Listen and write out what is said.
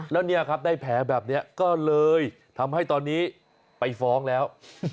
แล้วเนี่ยครับได้แผลแบบนี้ก็เลยทำให้ตอนนี้ไปฟ้องแล้ว